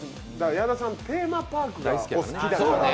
矢田さんテーマパークがお好きだから。